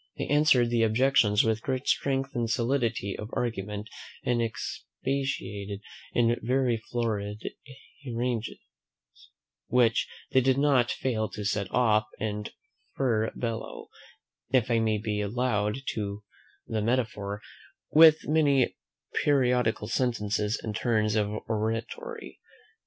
They answered the objections with great strength and solidity of argument, and expatiated in very florid harangues, which they did not fail to set off and furbelow, if I may be allowed the metaphor, with many periodical sentences and turns of oratory.